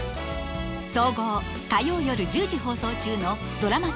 総合火曜夜１０時放送中のドラマ１０